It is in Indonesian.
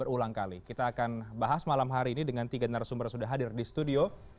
berulang kali kita akan bahas malam hari ini dengan tiga narasumber yang sudah hadir di studio